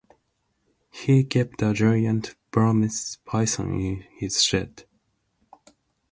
He kept a giant Burmese python in his shed.